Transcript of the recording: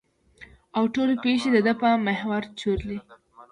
او ټولې پېښې د ده په محور چورلي.